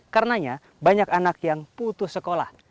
karenanya banyak anak yang putus sekolah